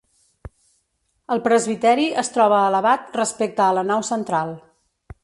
El presbiteri es troba elevat respecte a la nau central.